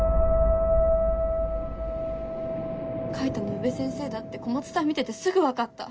書いたのは宇部先生だって小松さん見ててすぐ分かった。